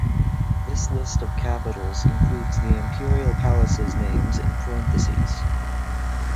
This list of capitals includes the Imperial palaces names in parentheses.